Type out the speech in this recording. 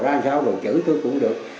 ra sao rồi chửi tôi cũng được